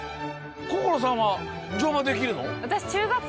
こころさんは乗馬できるの？